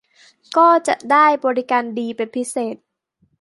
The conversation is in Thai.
ก็จะได้บริการดีเป็นพิเศษ